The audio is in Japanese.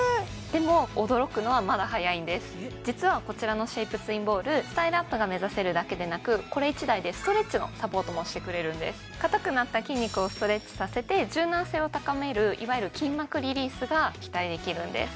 でも驚くのはまだ早いんです実はこちらのシェイプツインボールスタイルアップが目指せるだけでなくこれ１台で硬くなった筋肉をストレッチさせて柔軟性を高めるいわゆる筋膜リリースが期待できるんです